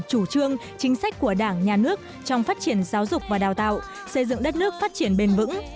chủ trương chính sách của đảng nhà nước trong phát triển giáo dục và đào tạo xây dựng đất nước phát triển bền vững